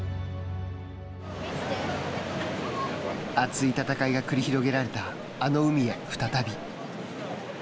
熱い戦いが繰り広げられたあの海へ再び。